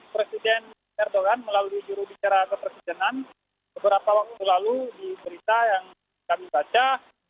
presiden erdogan melalui jurubicara kepresidenan beberapa waktu lalu di berita yang kami baca